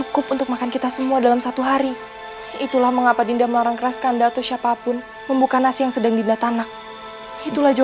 kenapa dia sampai bersikap seperti itu